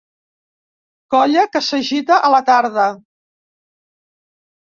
Colla que s'agita a la tarda.